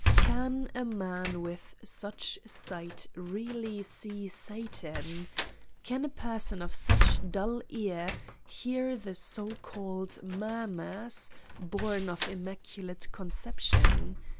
Can a man with such sight really see Satan? Can a person of such dull ear hear the so called "murmurs" born of Immaculate Conception?